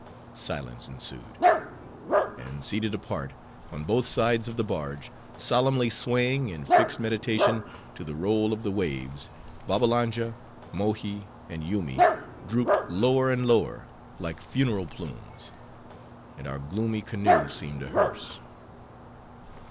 Silence ensued. And seated apart, on both sides of the barge, solemnly swaying, in fixed meditation, to the roll of the waves, Babbalanja, Mohi, and Yoomy, drooped lower and lower, like funeral plumes; and our gloomy canoe seemed a hearse.